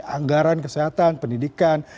anggaran kesehatan pendidikan